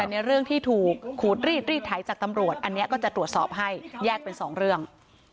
แต่ในเรื่องที่ถูกขูดรีดรีดไถจากตำรวจอันนี้ก็จะตรวจสอบให้แยกเป็นสองเรื่อง